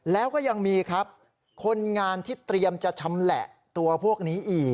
แล้วก็ยังมีครับคนงานที่เตรียมจะชำแหละตัวพวกนี้อีก